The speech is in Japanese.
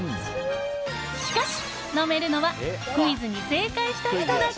しかし、飲めるのはクイズに正解した人だけ！